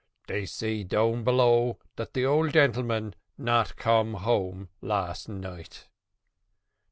"They say down below that the old gentleman not come home last night."